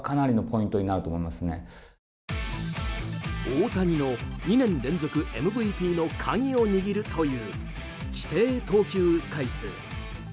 大谷の２年連続ＭＶＰの鍵を握るという規定投球回数。